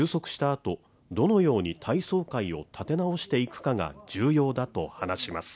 あとどのように体操界を立て直していくかが重要だと話します